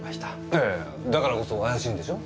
ええだからこそ怪しいんでしょ？